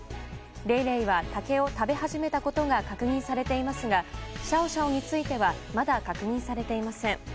レイレイは竹を食べ始めたことが確認されていますがシャオシャオについてはまだ確認されていません。